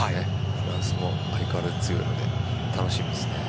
フランスも相変わらず強いので楽しみですね。